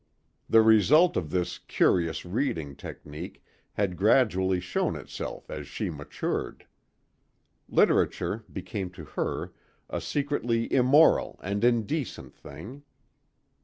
The result of this curious reading technique had gradually shown itself as she matured. Literature became to her a secretly immoral and indecent thing.